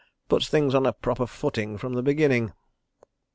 Puts things on a proper footing from the beginning.